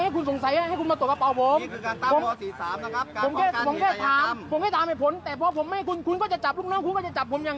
กำมิกันกำมิอะไรถ้าคุณจะต่วนคุณต่วน๖๐๐๐๐๒